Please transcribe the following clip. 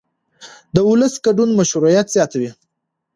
د ولس ګډون مشروعیت زیاتوي